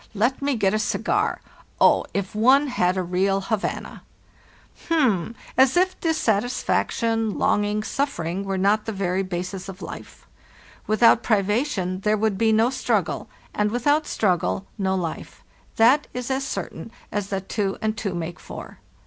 Let me get a cigar. Oh, if one had a real Havana! "H'm! as if dissatisfaction, longing, suffering. were not the very basis of life. Without privation there would be no struggle, and without struggle no life, that is as certain as that two and two make four.